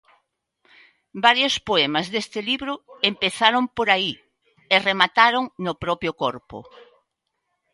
Varios poemas deste libro empezaron por aí e remataron no propio corpo.